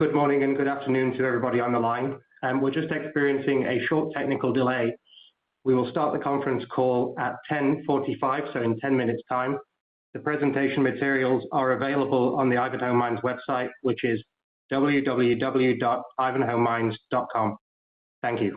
Good morning and good afternoon to everybody on the line. We're just experiencing a short technical delay. We will start the conference call at 10:45 A.M., so in 10 minutes' time. The presentation materials are available on the Ivanhoe Mines website, which is www.ivanhoemines.com. Thank you.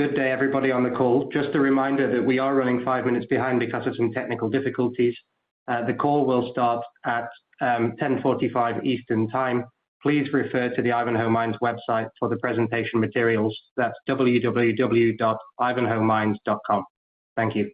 Good day, everybody on the call. Just a reminder that we are running five minutes behind because of some technical difficulties. The call will start at 10:45 A.M. Eastern Time. Please refer to the Ivanhoe Mines website for the presentation materials. That's www.ivanhoemines.com. Thank you.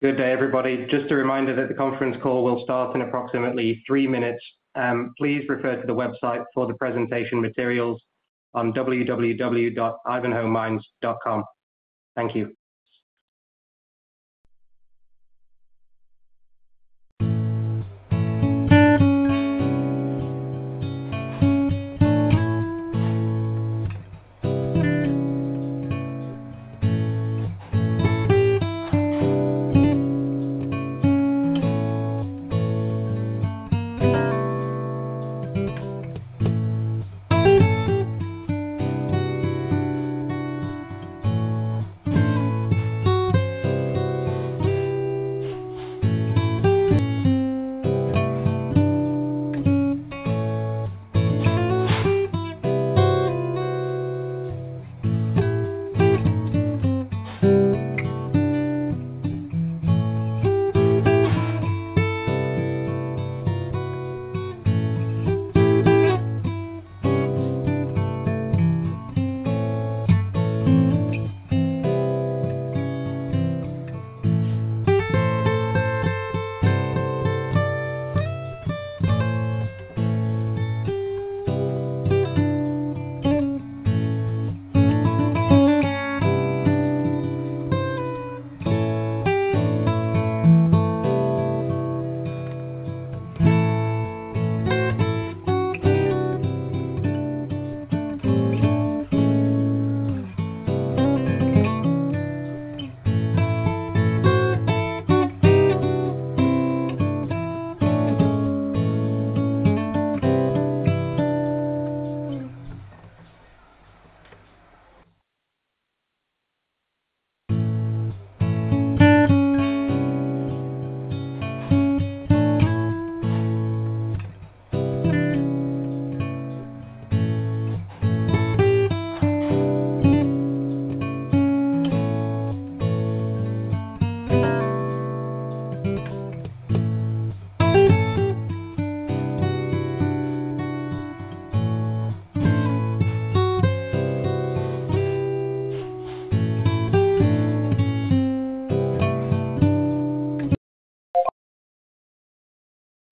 Good day, everybody. Just a reminder that the conference call will start in approximately three minutes. Please refer to the website for the presentation materials on www.ivanhoemines.com. Thank you.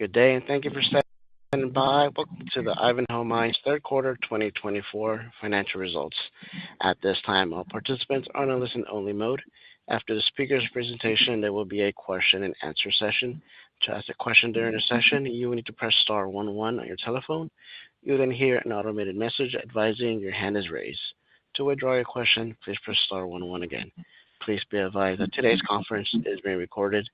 Good day, and thank you for standing by. Welcome to the Ivanhoe Mines third quarter 2024 financial results. At this time, all participants are in a listen-only mode. After the speaker's presentation, there will be a question-and-answer session. To ask a question during the session, you will need to press star one one on your telephone. You will then hear an automated message advising your hand is raised. To withdraw your question, please press star one one again. Please be advised that today's conference is being recorded,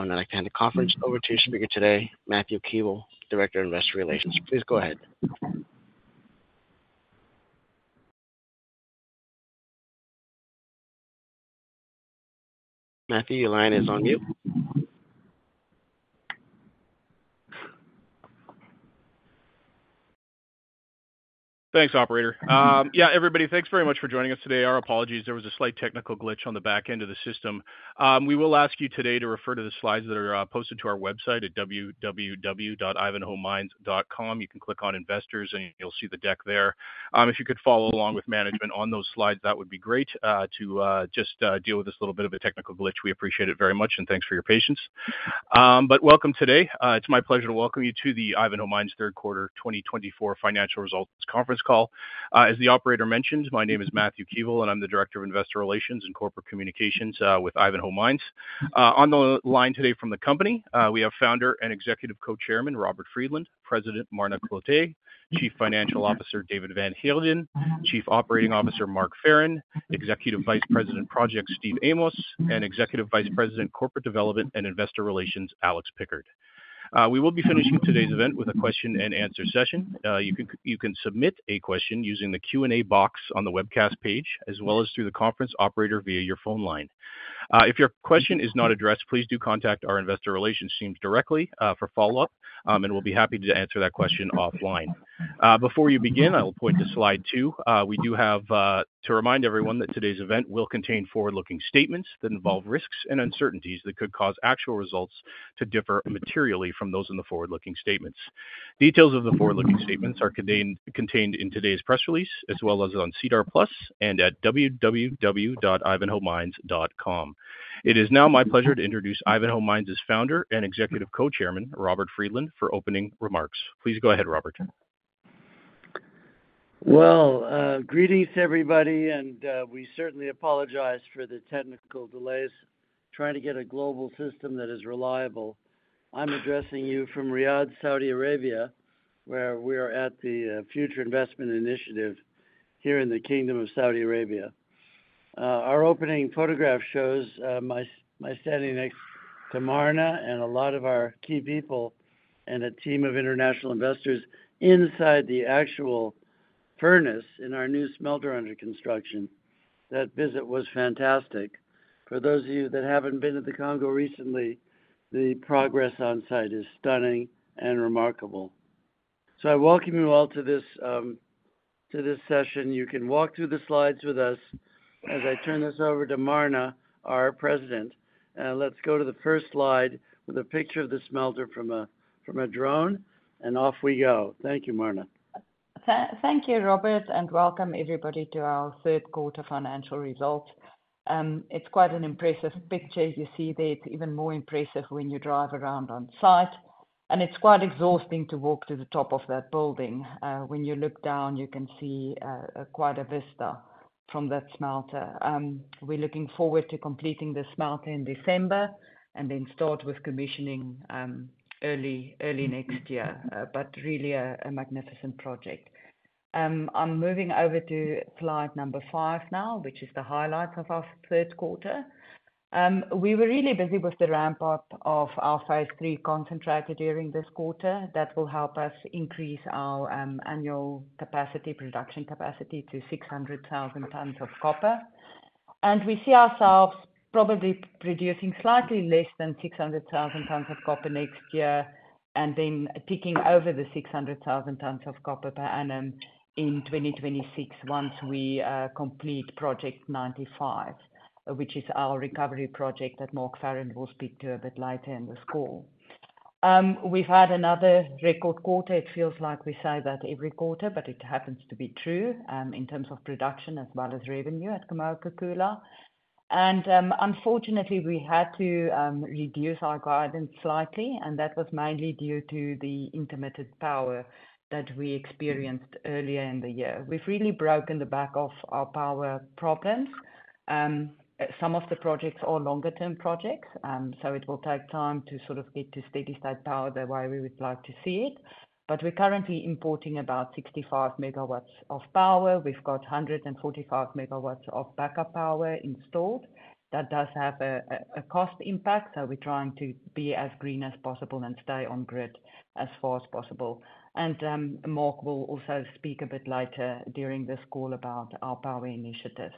and I'd like to hand the conference over to your speaker today, Matthew Keevil, Director of Investor Relations. Please go ahead. Matthew, your line is on you. Thanks, Operator. Yeah, everybody, thanks very much for joining us today. Our apologies. There was a slight technical glitch on the back end of the system. We will ask you today to refer to the slides that are posted to our website at www.ivanhoemines.com. You can click on Investors, and you'll see the deck there. If you could follow along with management on those slides, that would be great to just deal with this little bit of a technical glitch. We appreciate it very much, and thanks for your patience. But welcome today. It's my pleasure to welcome you to the Ivanhoe Mines third quarter 2024 financial results conference call. As the Operator mentioned, my name is Matthew Keevil, and I'm the Director of Investor Relations and Corporate Communications with Ivanhoe Mines. On the line today from the company, we have Founder and Executive Co-Chairman Robert Friedland, President Marna Cloete, Chief Financial Officer David van Heerden, Chief Operating Officer Mark Farren, Executive Vice President, Projects Steve Amos, and Executive Vice President Corporate Development and Investor Relations Alex Pickard. We will be finishing today's event with a question-and-answer session. You can submit a question using the Q&A box on the webcast page, as well as through the conference operator via your phone line. If your question is not addressed, please do contact our Investor Relations team directly for follow-up, and we'll be happy to answer that question offline. Before you begin, I will point to slide two. We do have to remind everyone that today's event will contain forward-looking statements that involve risks and uncertainties that could cause actual results to differ materially from those in the forward-looking statements. Details of the forward-looking statements are contained in today's press release, as well as on SEDAR+ and at www.ivanhoemines.com. It is now my pleasure to introduce Ivanhoe Mines' Founder and Executive Co-Chairman, Robert Friedland, for opening remarks. Please go ahead, Robert. Greetings, everybody, and we certainly apologize for the technical delays. Trying to get a global system that is reliable, I'm addressing you from Riyadh, Saudi Arabia, where we are at the Future Investment Initiative here in the Kingdom of Saudi Arabia. Our opening photograph shows me standing next to Marna and a lot of our key people and a team of international investors inside the actual furnace in our new smelter under construction. That visit was fantastic. For those of you that haven't been to the Congo recently, the progress on site is stunning and remarkable. I welcome you all to this session. You can walk through the slides with us as I turn this over to Marna, our President. Let's go to the first slide with a picture of the smelter from a drone, and off we go. Thank you, Marna. Thank you, Robert, and welcome everybody to our third quarter financial results. It's quite an impressive picture. You see that it's even more impressive when you drive around on site, and it's quite exhausting to walk to the top of that building. When you look down, you can see quite a vista from that smelter. We're looking forward to completing the smelter in December and then start with commissioning early next year, but really a magnificent project. I'm moving over to slide number five now, which is the highlights of our third quarter. We were really busy with the ramp-up of our phase III concentrator during this quarter. That will help us increase our annual capacity, production capacity, to 600,000 tons of copper. And we see ourselves probably producing slightly less than 600,000 tons of copper next year and then picking over the 600,000 tons of copper per annum in 2026 once we complete Project 95, which is our recovery project that Mark Farren will speak to a bit later in the call. We've had another record quarter. It feels like we say that every quarter, but it happens to be true in terms of production as well as revenue at Kamoa-Kakula. And unfortunately, we had to reduce our guidance slightly, and that was mainly due to the intermittent power that we experienced earlier in the year. We've really broken the back of our power problems. Some of the projects are longer-term projects, so it will take time to sort of get to steady-state power the way we would like to see it. But we're currently importing about 65 MW of power. We've got 145 MW of backup power installed. That does have a cost impact, so we're trying to be as green as possible and stay on grid as far as possible, and Mark will also speak a bit later during this call about our power initiatives.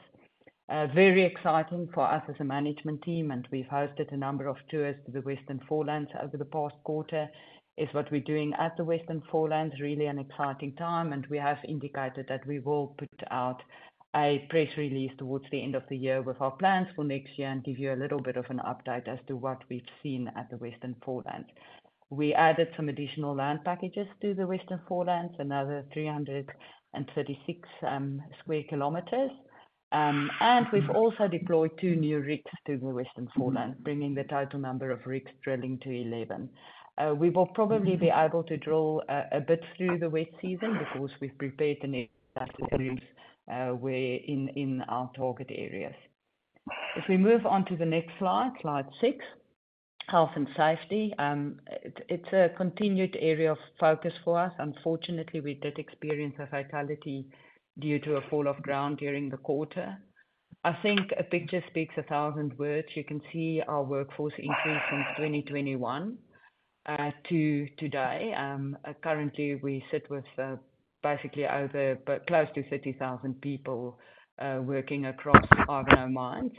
Very exciting for us as a management team, and we've hosted a number of tours to the Western Foreland over the past quarter. It's what we're doing at the Western Foreland, really an exciting time, and we have indicated that we will put out a press release towards the end of the year with our plans for next year and give you a little bit of an update as to what we've seen at the Western Foreland. We added some additional land packages to the Western Foreland, another 336 sq km. We've also deployed two new rigs to the Western Forelands, bringing the total number of rigs drilling to 11. We will probably be able to drill a bit through the wet season because we've prepared the roads in our target areas. If we move on to the next slide, slide six, health and safety. It's a continued area of focus for us. Unfortunately, we did experience a fatality due to a fall of ground during the quarter. I think a picture speaks a thousand words. You can see our workforce increase from 2021 to today. Currently, we sit with basically over close to 30,000 people working across Ivanhoe Mines.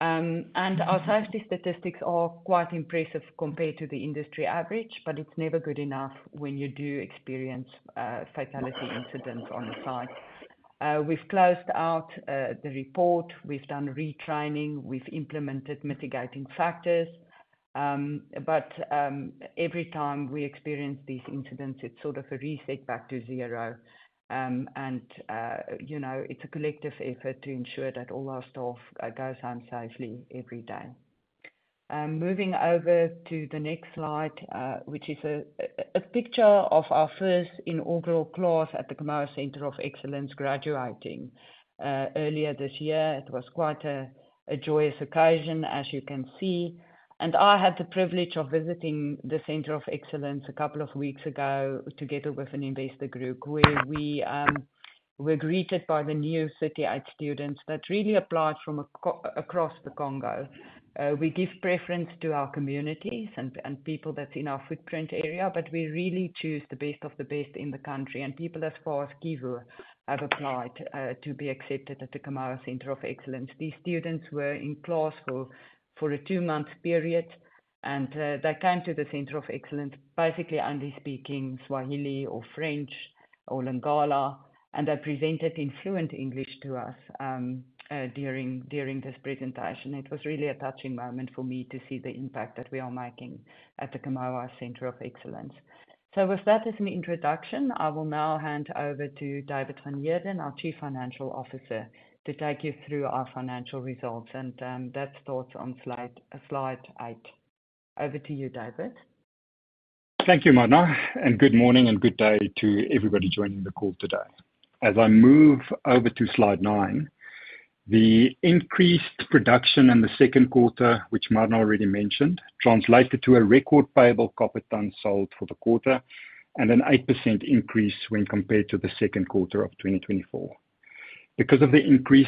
Our safety statistics are quite impressive compared to the industry average, but it's never good enough when you do experience fatality incidents on the site. We've closed out the report. We've done retraining. We've implemented mitigating factors. But every time we experience these incidents, it's sort of a reset back to zero. And it's a collective effort to ensure that all our staff goes home safely every day. Moving over to the next slide, which is a picture of our first inaugural class at the Kamoa Centre of Excellence graduating. Earlier this year, it was quite a joyous occasion, as you can see. And I had the privilege of visiting the Center of Excellence a couple of weeks ago together with an investor group where we were greeted by the new CTA students that really applied from across the Congo. We give preference to our communities and people that's in our footprint area, but we really choose the best of the best in the country. And people as far as Kinshasa have applied to be accepted at the Kamoa Centre of Excellence. These students were in class for a two-month period, and they came to the Kamoa Centre of Excellence basically only speaking Swahili or French or Lingala, and they presented in fluent English to us during this presentation. It was really a touching moment for me to see the impact that we are making at the Kamoa Centre of Excellence. So with that as an introduction, I will now hand over to David van Heerden, our Chief Financial Officer, to take you through our financial results and his thoughts on slide eight. Over to you, David. Thank you, Marna, and good morning and good day to everybody joining the call today. As I move over to slide nine, the increased production in the second quarter, which Marna already mentioned, translated to a record payable copper ton sold for the quarter and an 8% increase when compared to the second quarter of 2024. Because of the increase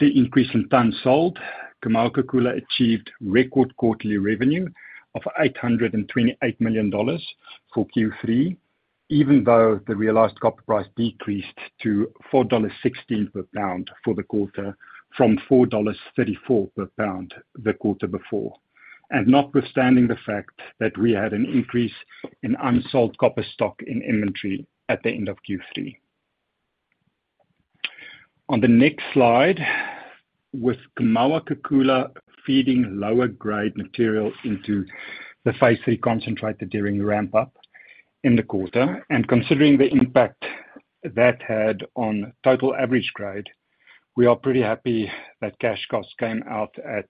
in ton sold, Kamoa-Kakula achieved record quarterly revenue of $828 million for Q3, even though the realized copper price decreased to $4.16 per pound for the quarter from $4.34 per pound the quarter before, and notwithstanding the fact that we had an increase in unsold copper stock in inventory at the end of Q3. On the next slide, with Kamoa-Kakula feeding lower-grade material into the phase three concentrator during ramp-up in the quarter, and considering the impact that had on total average grade, we are pretty happy that cash costs came out at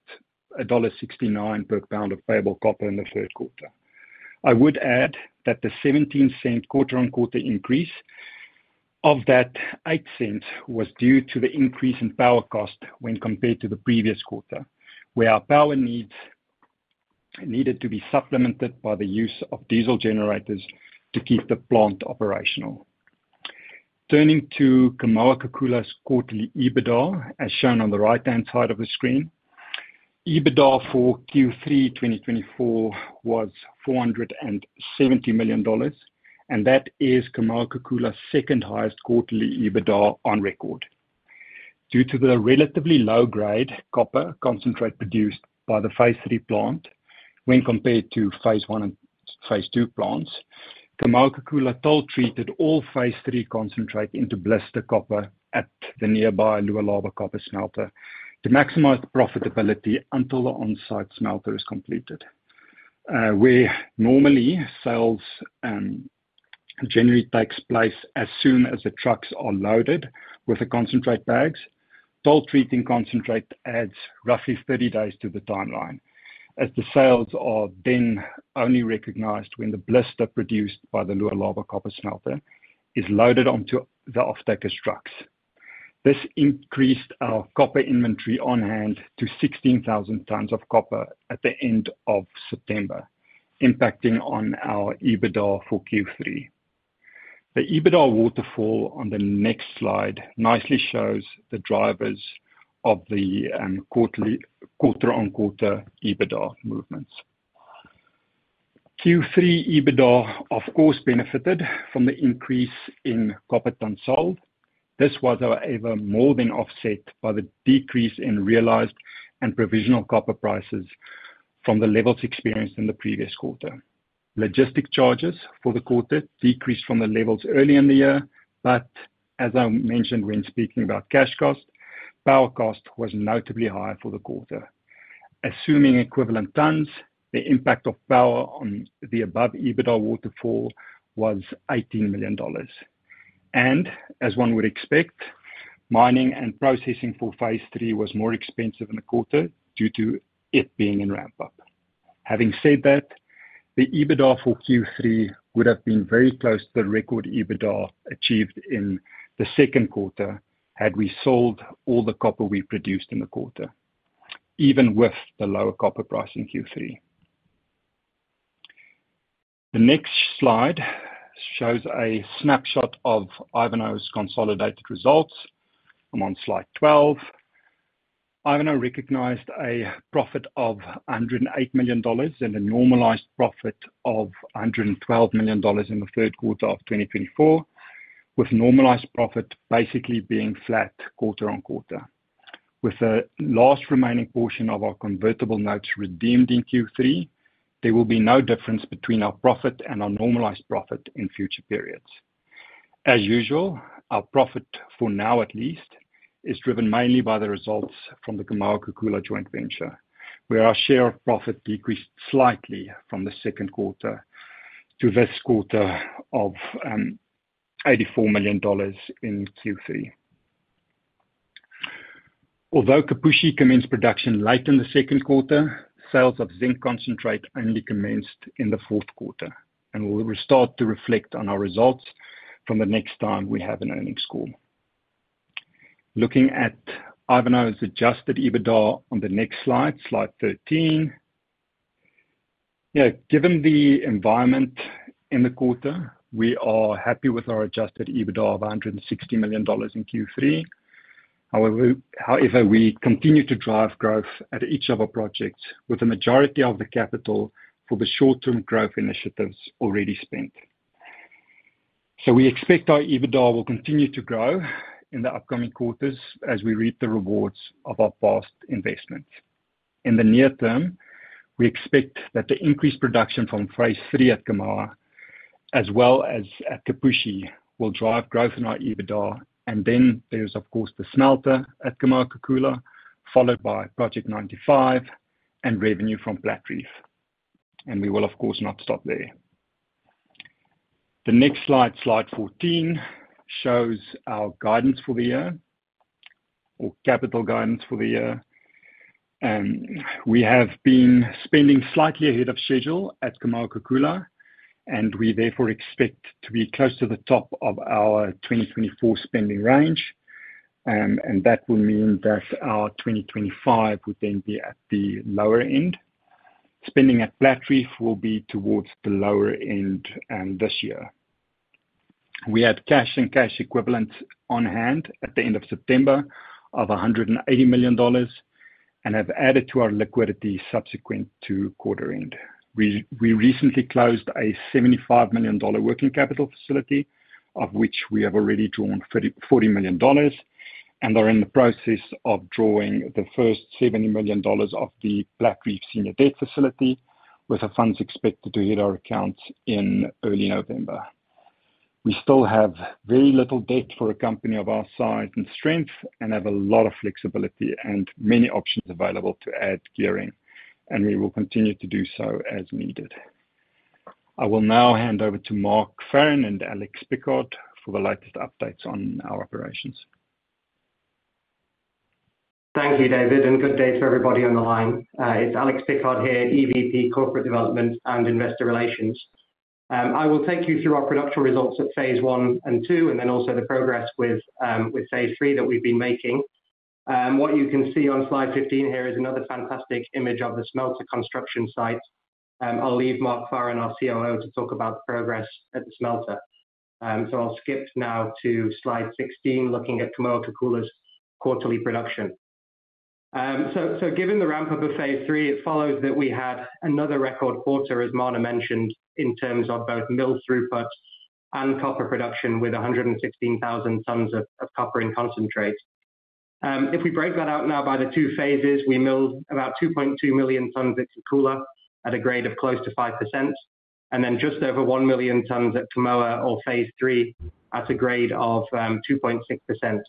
$1.69 per pound of payable copper in the third quarter. I would add that the $0.17 quarter-on-quarter increase of that $0.08 was due to the increase in power cost when compared to the previous quarter, where our power needs needed to be supplemented by the use of diesel generators to keep the plant operational. Turning to Kamoa-Kakula's quarterly EBITDA, as shown on the right-hand side of the screen, EBITDA for Q3 2024 was $470 million, and that is Kamoa-Kakula's second highest quarterly EBITDA on record. Due to the relatively low-grade copper concentrate produced by the phase III plant when compared to phase I and phase II plants, Kamoa-Kakula toll-treated all phase III concentrate into blister copper at the nearby Lualaba Copper Smelter to maximize profitability until the on-site smelter is completed. Where normally sales generally takes place as soon as the trucks are loaded with the concentrate bags, toll-treating concentrate adds roughly 30 days to the timeline as the sales are then only recognized when the blister produced by the Lualaba Copper Smelter is loaded onto the off-taker trucks. This increased our copper inventory on hand to 16,000 tons of copper at the end of September, impacting on our EBITDA for Q3. The EBITDA waterfall on the next slide nicely shows the drivers of the quarter-on-quarter EBITDA movements. Q3 EBITDA, of course, benefited from the increase in copper ton sold. This was, however, more than offset by the decrease in realized and provisional copper prices from the levels experienced in the previous quarter. Logistic charges for the quarter decreased from the levels early in the year, but as I mentioned when speaking about cash cost, power cost was notably higher for the quarter. Assuming equivalent tons, the impact of power on the above EBITDA waterfall was $18 million, and as one would expect, mining and processing for phase three was more expensive in the quarter due to it being in ramp-up. Having said that, the EBITDA for Q3 would have been very close to the record EBITDA achieved in the second quarter had we sold all the copper we produced in the quarter, even with the lower copper price in Q3. The next slide shows a snapshot of Ivanhoe's consolidated results. I'm on slide 12. Ivanhoe recognized a profit of $108 million and a normalized profit of $112 million in the third quarter of 2024, with normalized profit basically being flat quarter-on-quarter. With the last remaining portion of our convertible notes redeemed in Q3, there will be no difference between our profit and our normalized profit in future periods. As usual, our profit for now at least is driven mainly by the results from the Kamoa-Kakula joint venture, where our share of profit decreased slightly from the second quarter to this quarter of $84 million in Q3. Although Kipushi commenced production late in the second quarter, sales of zinc concentrate only commenced in the fourth quarter, and we'll start to reflect on our results from the next time we have an earnings call. Looking at Ivanhoe's adjusted EBITDA on the next slide, slide 13. Yeah, given the environment in the quarter, we are happy with our adjusted EBITDA of $160 million in Q3. However, we continue to drive growth at each of our projects with a majority of the capital for the short-term growth initiatives already spent. So we expect our EBITDA will continue to grow in the upcoming quarters as we reap the rewards of our past investments. In the near term, we expect that the increased production from phase three at Kamoa as well as at Kipushi will drive growth in our EBITDA. And then there's, of course, the smelter at Kamoa-Kakula, followed by Project 95 and revenue from Platreef, and we will, of course, not stop there. The next slide, slide 14, shows our guidance for the year or capital guidance for the year. We have been spending slightly ahead of schedule at Kamoa-Kakula, and we therefore expect to be close to the top of our 2024 spending range, and that will mean that our 2025 would then be at the lower end. Spending at Platreef will be towards the lower end this year. We had cash and cash equivalents on hand at the end of September of $180 million and have added to our liquidity subsequent to quarter end. We recently closed a $75 million working capital facility, of which we have already drawn $40 million, and are in the process of drawing the first $70 million of the Platreef senior debt facility with the funds expected to hit our accounts in early November. We still have very little debt for a company of our size and strength and have a lot of flexibility and many options available to add gearing, and we will continue to do so as needed. I will now hand over to Mark Farren, and Alex Pickard for the latest updates on our operations. Thank you, David, and good day to everybody on the line. It's Alex Pickard here, EVP, Corporate Development and Investor Relations. I will take you through our production results at phase I and II, and then also the progress with phase three that we've been making. What you can see on slide 15 here is another fantastic image of the smelter construction site. I'll leave Mark Farren, our COO, to talk about the progress at the smelter, so I'll skip now to slide 16, looking at Kamoa-Kakula's quarterly production, so given the ramp-up of phase three, it follows that we had another record quarter, as Marna mentioned, in terms of both mill throughput and copper production with 116,000 tons of copper in concentrate. If we break that out now by the two phases, we milled about 2.2 million tons at Kakula at a grade of close to 5%, and then just over one million tons at Kamoa or phase three at a grade of 2.6%.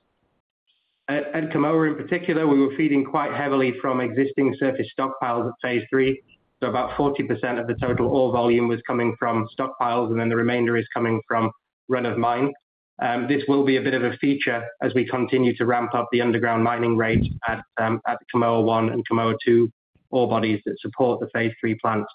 At Kamoa in particular, we were feeding quite heavily from existing surface stockpiles at phase three. So about 40% of the total ore volume was coming from stockpiles, and then the remainder is coming from run-of-mine. This will be a bit of a feature as we continue to ramp up the underground mining rate at Kamoa 1 and Kamoa 2 ore bodies that support the phase three plants.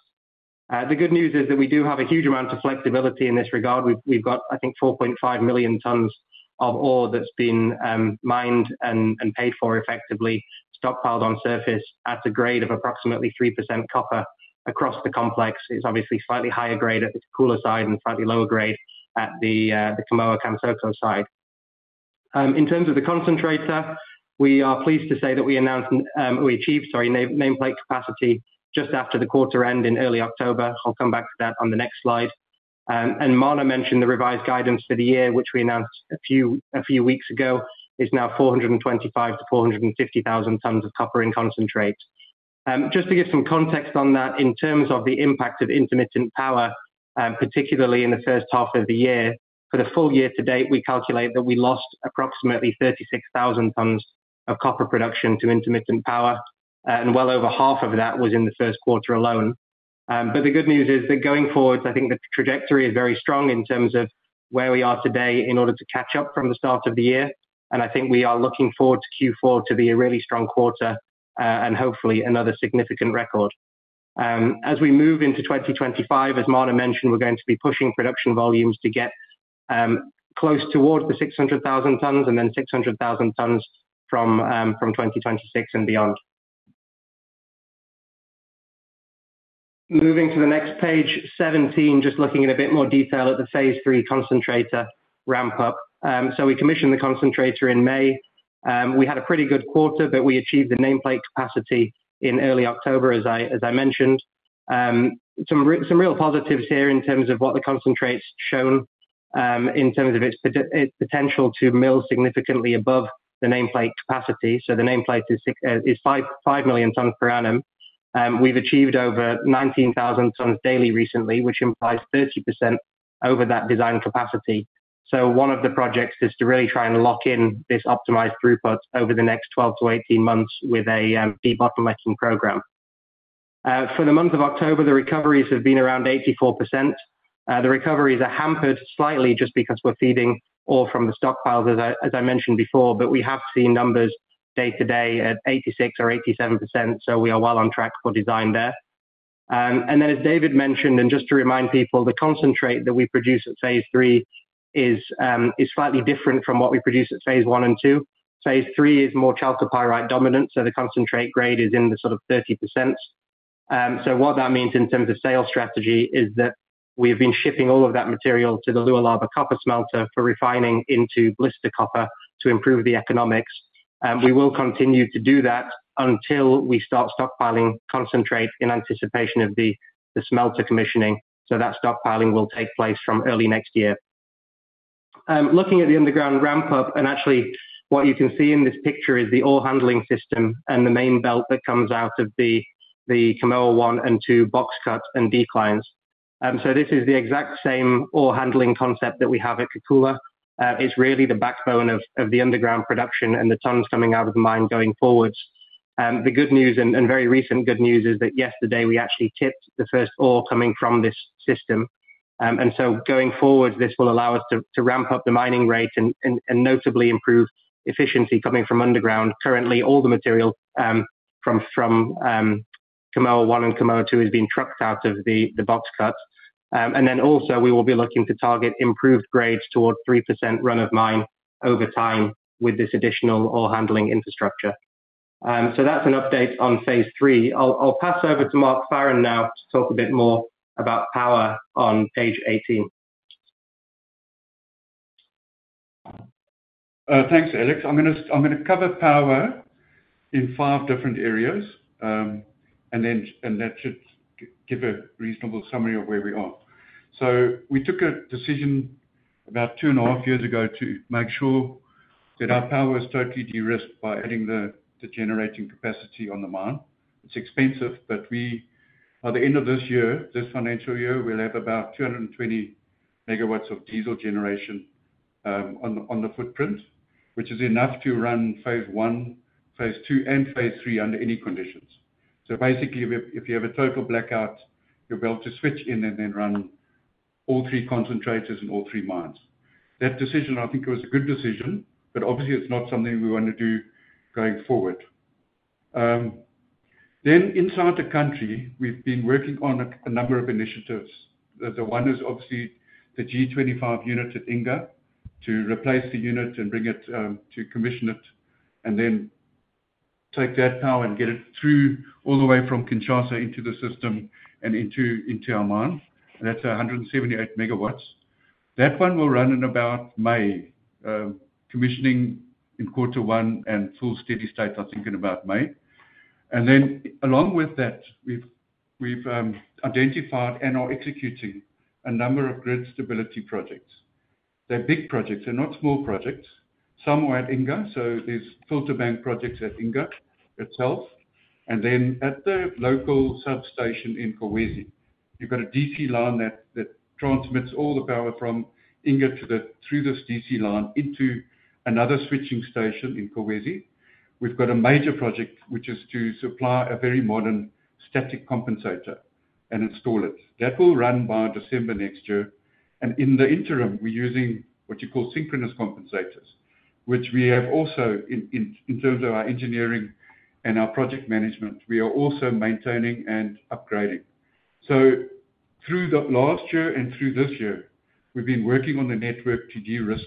The good news is that we do have a huge amount of flexibility in this regard. We've got, I think, 4.5 million tons of ore that's been mined and paid for effectively stockpiled on surface at a grade of approximately 3% copper across the complex. It's obviously slightly higher grade at the Kakula side and slightly lower grade at the Kamoa [Makoko] side. In terms of the concentrator, we are pleased to say that we announced we achieved, sorry, nameplate capacity just after the quarter end in early October. I'll come back to that on the next slide. Marna mentioned the revised guidance for the year, which we announced a few weeks ago, is now 425,000-450,000 tons of copper in concentrate. Just to give some context on that, in terms of the impact of intermittent power, particularly in the first half of the year, for the full year to date, we calculate that we lost approximately 36,000 tons of copper production to intermittent power, and well over half of that was in the first quarter alone. But the good news is that going forward, I think the trajectory is very strong in terms of where we are today in order to catch up from the start of the year. And I think we are looking forward to Q4 to be a really strong quarter and hopefully another significant record. As we move into 2025, as Marna mentioned, we're going to be pushing production volumes to get close towards the 600,000 tons and then 600,000 tons from 2026 and beyond. Moving to the next page, 17, just looking at a bit more detail at the phase three concentrator ramp-up. So we commissioned the concentrator in May. We had a pretty good quarter, but we achieved the nameplate capacity in early October, as I mentioned. Some real positives here in terms of what the concentrates shown in terms of its potential to mill significantly above the nameplate capacity. So the nameplate is 5 million tons per annum. We've achieved over 19,000 tons daily recently, which implies 30% over that design capacity. So one of the projects is to really try and lock in this optimized throughput over the next 12-18 months with a de-bottlenecking program. For the month of October, the recoveries have been around 84%. The recoveries are hampered slightly just because we're feeding ore from the stockpiles, as I mentioned before, but we have seen numbers day to day at 86% or 87%. So we are well on track for design there. And then, as David mentioned, and just to remind people, the concentrate that we produce at phase three is slightly different from what we produce at phase I and II. Phase three is more chalcopyrite dominant, so the concentrate grade is in the sort of 30%. So what that means in terms of sales strategy is that we have been shipping all of that material to the Lualaba Copper Smelter for refining into blister copper to improve the economics. We will continue to do that until we start stockpiling concentrate in anticipation of the smelter commissioning. So that stockpiling will take place from early next year. Looking at the underground ramp-up, and actually what you can see in this picture is the ore handling system and the main belt that comes out of the Kamoa one and two box cuts and declines, so this is the exact same ore handling concept that we have at Kakula. It's really the backbone of the underground production and the tons coming out of the mine going forward. The good news and very recent good news is that yesterday we actually tipped the first ore coming from this system, and so going forward, this will allow us to ramp up the mining rate and notably improve efficiency coming from underground. Currently, all the material from Kamoa one and Kamoa two has been trucked out of the box cuts, and then also we will be looking to target improved grades towards 3% run-of-mine over time with this additional ore handling infrastructure. So that's an update on phase three. I'll pass over to Mark Farren now to talk a bit more about power on page 18. Thanks, Alex. I'm going to cover power in five different areas, and that should give a reasonable summary of where we are. We took a decision about two and a half years ago to make sure that our power was totally de-risked by adding the generating capacity on the mine. It's expensive, but by the end of this year, this financial year, we'll have about 220 MW of diesel generation on the footprint, which is enough to run phase I, phase II, and phase three under any conditions. Basically, if you have a total blackout, you'll be able to switch in and then run all three concentrators in all three mines. That decision, I think it was a good decision, but obviously it's not something we want to do going forward. Then inside the country, we've been working on a number of initiatives. The one is obviously the G25 unit at Inga to replace the unit and bring it to commission it and then take that power and get it through all the way from Kinshasa into the system and into our mine. That's 178 megawatts. That one will run in about May, commissioning in quarter one and full steady state, I think in about May. And then along with that, we've identified and are executing a number of grid stability projects. They're big projects, they're not small projects. Some are at Inga, so there's filter bank projects at Inga itself. And then at the local substation in Kolwezi, you've got a DC line that transmits all the power from Inga through this DC line into another switching station in Kolwezi. We've got a major project, which is to supply a very modern static compensator and install it. That will run by December next year. And in the interim, we're using what you call synchronous compensators, which we have also in terms of our engineering and our project management. We are also maintaining and upgrading. So through last year and through this year, we've been working on the network to de-risk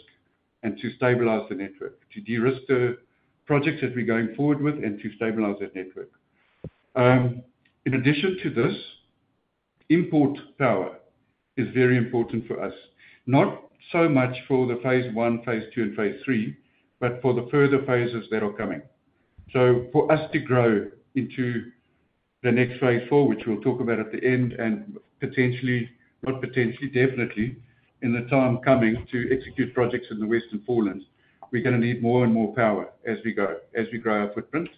and to stabilize the network, to de-risk the projects that we're going forward with and to stabilize that network. In addition to this, import power is very important for us, not so much for the phase I, phase II, and phase III, but for the further phases that are coming. So for us to grow into the next phase four, which we'll talk about at the end and potentially, not potentially, definitely in the time coming to execute projects in the Western Forelands, we're going to need more and more power as we grow our footprint.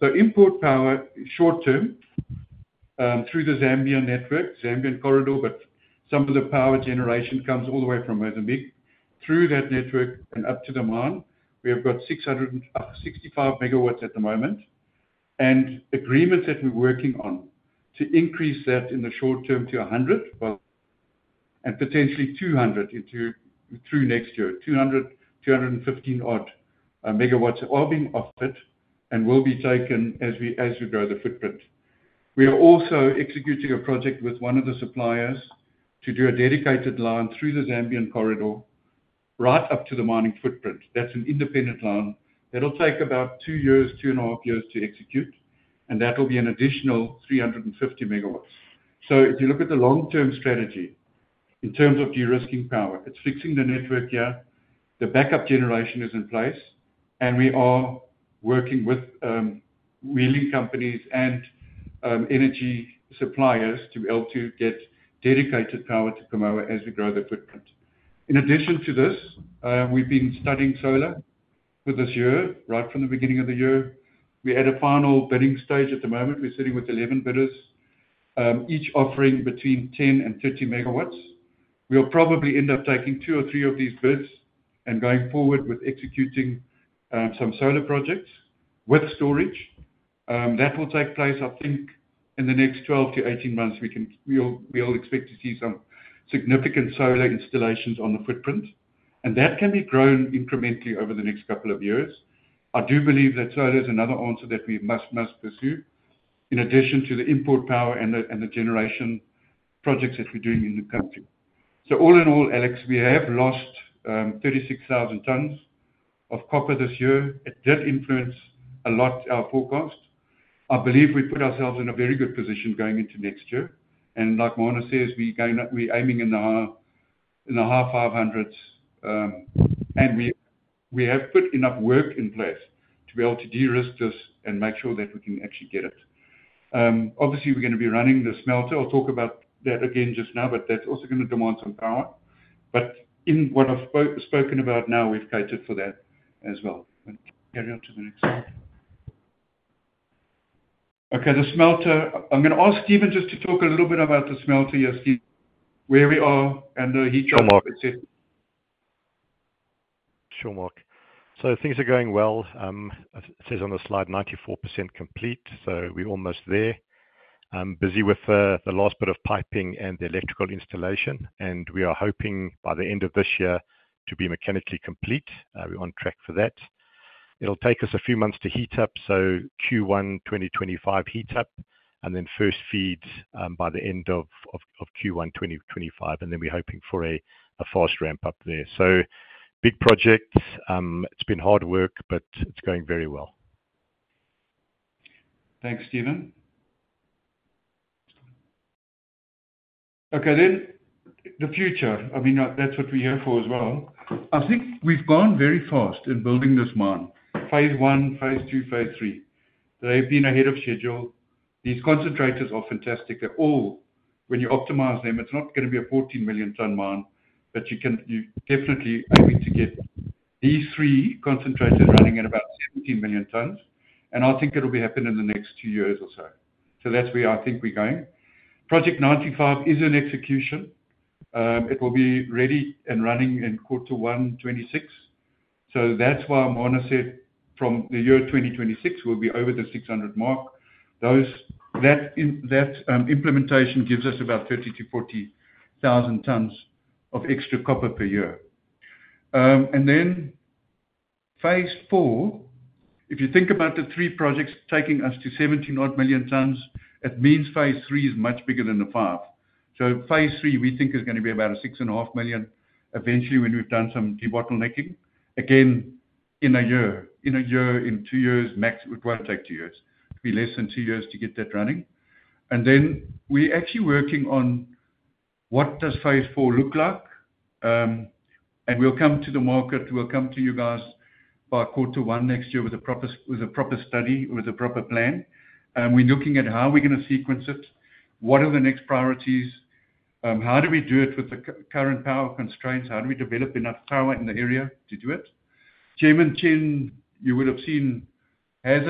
So, import power short term through the Zambian network, Zambian corridor, but some of the power generation comes all the way from Mozambique. Through that network and up to the mine, we have got 65 MW at the moment. And agreements that we're working on to increase that in the short term to 100 and potentially 200 through next year, 200, 215-odd megawatts are being offered and will be taken as we grow the footprint. We are also executing a project with one of the suppliers to do a dedicated line through the Zambian corridor right up to the mining footprint. That's an independent line that will take about two years, two and a half years to execute, and that will be an additional 350 MW. So if you look at the long-term strategy in terms of de-risking power, it's fixing the network here. The backup generation is in place, and we are working with wheeling companies and energy suppliers to be able to get dedicated power to Kamoa as we grow the footprint. In addition to this, we've been studying solar for this year, right from the beginning of the year. We're at a final bidding stage at the moment. We're sitting with 11 bidders, each offering between 10 MW-30 MW. We'll probably end up taking two or three of these bids and going forward with executing some solar projects with storage. That will take place, I think, in the next 12-18 months. We'll expect to see some significant solar installations on the footprint, and that can be grown incrementally over the next couple of years. I do believe that solar is another answer that we must pursue in addition to the import power and the generation projects that we're doing in the country. So all in all, Alex, we have lost 36,000 tons of copper this year. It did influence a lot our forecast. I believe we put ourselves in a very good position going into next year. And like Marna says, we're aiming in the high 500s, and we have put enough work in place to be able to de-risk this and make sure that we can actually get it. Obviously, we're going to be running the smelter. I'll talk about that again just now, but that's also going to demand some power. But in what I've spoken about now, we've catered for that as well. Carry on to the next slide. Okay, the smelter. I'm going to ask Steve just to talk a little bit about the smelter here, Steve, where we are and the heat track that's here. Sure, Mark. So things are going well. It says on the slide 94% complete, so we're almost there. Busy with the last bit of piping and the electrical installation, and we are hoping by the end of this year to be mechanically complete. We're on track for that. It'll take us a few months to heat up, so Q1 2025 heat up, and then first feed by the end of Q1 2025, and then we're hoping for a fast ramp-up there. So big project. It's been hard work, but it's going very well. Thanks, Steve. Okay, then the future. I mean, that's what we're here for as well. I think we've gone very fast in building this mine. Phase one, phase two, phase three. They've been ahead of schedule. These concentrators are fantastic. When you optimize them, it's not going to be a 14 million ton mine, but you definitely aim to get these three concentrators running at about 17 million tons. And I think it'll be happening in the next two years or so. So that's where I think we're going. Project 95 is in execution. It will be ready and running in quarter one 2026. So that's why Marna said from the year 2026, we'll be over the 600 mark. That implementation gives us about 30,000-40,000 tons of extra copper per year. And then phase four, if you think about the three projects taking us to 17-odd million tons, it means phase three is much bigger than the five. So phase three, we think, is going to be about 6.5 million eventually when we've done some de-bottlenecking. Again, in a year, in two years, max, it won't take two years. It'll be less than two years to get that running. And then we're actually working on what phase four looks like. And we'll come to the market, we'll come to you guys by quarter one next year with a proper study, with a proper plan. We're looking at how we're going to sequence it, what are the next priorities, how do we do it with the current power constraints, how do we develop enough power in the area to do it. Chairman Chen, you would have seen, has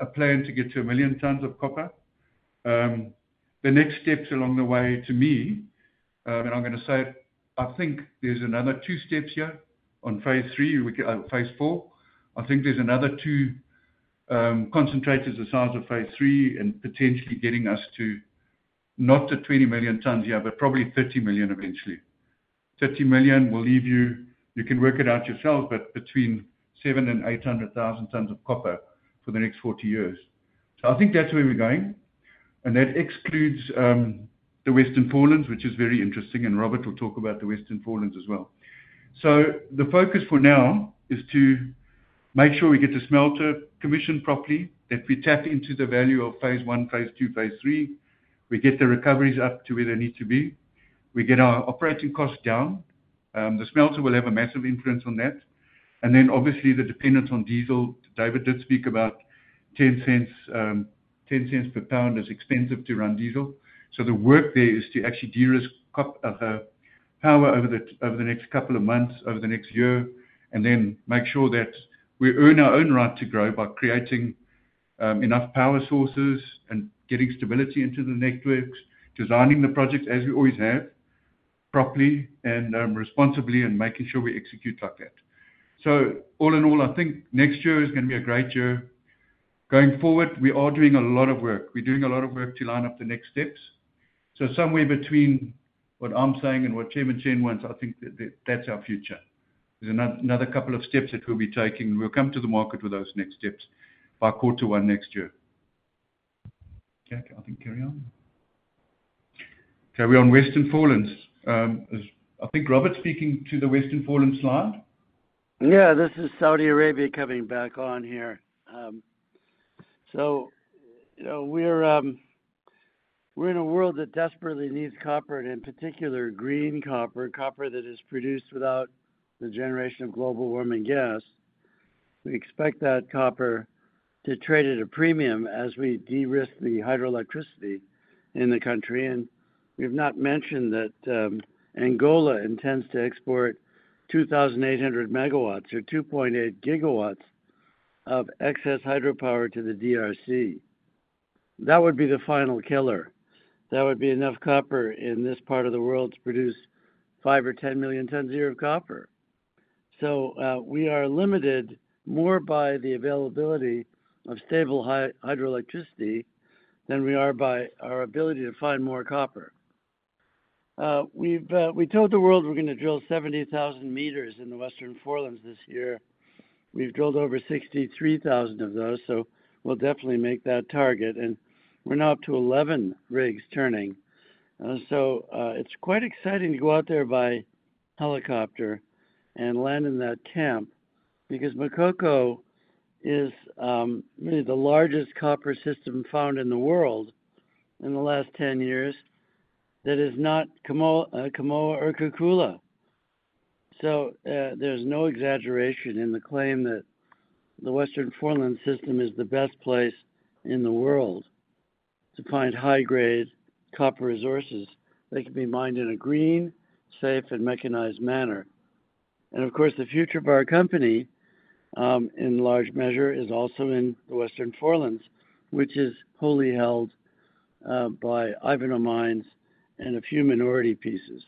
a plan to get to a million tons of copper. The next steps along the way to me, and I'm going to say, I think there's another two steps here on phase III, phase IV. I think there's another two concentrators the size of phase three and potentially getting us to not to 20 million tons here, but probably 30 million eventually. 30 million will leave you, you can work it out yourself, but between 700,000 and 800,000 tons of copper for the next 40 years. So I think that's where we're going. That excludes the Western Forelands, which is very interesting, and Robert will talk about the Western Forelands as well. So the focus for now is to make sure we get the smelter commissioned properly, that we tap into the value of phase I, phase II, phase III. We get the recoveries up to where they need to be. We get our operating costs down. The smelter will have a massive influence on that. And then obviously the dependence on diesel. David did speak about $0.10 per pound is expensive to run diesel. So the work there is to actually de-risk power over the next couple of months, over the next year, and then make sure that we earn our own right to grow by creating enough power sources and getting stability into the networks, designing the projects as we always have, properly and responsibly and making sure we execute like that. So all in all, I think next year is going to be a great year. Going forward, we are doing a lot of work. We're doing a lot of work to line up the next steps. So somewhere between what I'm saying and what Chairman Chen wants, I think that that's our future. There's another couple of steps that we'll be taking. We'll come to the market with those next steps by quarter one next year. Okay, I think carry on. Carry on, Western Foreland. I think Robert's speaking to the Western Foreland line? Yeah, this is Saudi Arabia coming back on here. So we're in a world that desperately needs copper, and in particular, green copper, copper that is produced without the generation of global warming gas. We expect that copper to trade at a premium as we de-risk the hydroelectricity in the country. And we've not mentioned that Angola intends to export 2,800 MW or 2.8 GW of excess hydropower to the DRC. That would be the final killer. That would be enough copper in this part of the world to produce 5 or 10 million tons a year of copper. So we are limited more by the availability of stable hydroelectricity than we are by our ability to find more copper. We told the world we're going to drill 70,000 meters in the Western Foreland this year. We've drilled over 63,000 of those, so we'll definitely make that target. And we're now up to 11 rigs turning. So it's quite exciting to go out there by helicopter and land in that camp because Makoko is really the largest copper system found in the world in the last 10 years that is not Kamoa-Kakula. So there's no exaggeration in the claim that the Western Forelands system is the best place in the world to find high-grade copper resources that can be mined in a green, safe, and mechanized manner. And of course, the future of our company in large measure is also in the Western Forelands, which is wholly held by Ivanhoe Mines and a few minority pieces.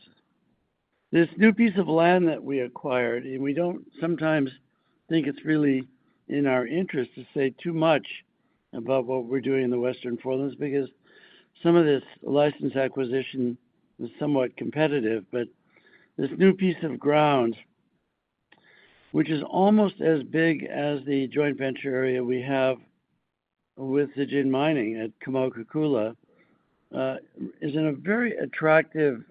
This new piece of land that we acquired, and we don't sometimes think it's really in our interest to say too much about what we're doing in the Western Forelands because some of this license acquisition is somewhat competitive. But this new piece of ground, which is almost as big as the joint venture area we have with the Zijin Mining at Kamoa-Kakula, is in a very attractive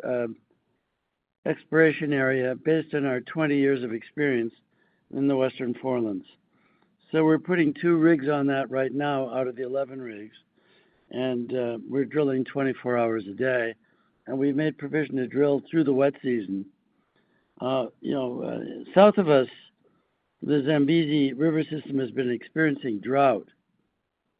exploration area based on our 20 years of experience in the Western Forelands. So we're putting two rigs on that right now out of the 11 rigs, and we're drilling 24 hours a day. And we've made provision to drill through the wet season. South of us, the Zambezi River system has been experiencing drought.